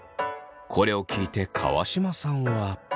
これを聞いて川島さんは。